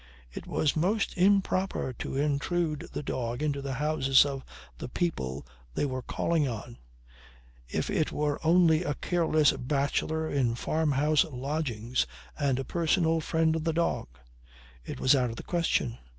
It was most improper to intrude the dog into the houses of the people they were calling on if it were only a careless bachelor in farmhouse lodgings and a personal friend of the dog. It was out of the question.